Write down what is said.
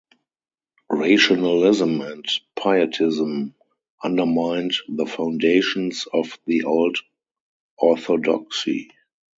Rationalism and Pietism undermined the foundations of the old orthodoxy.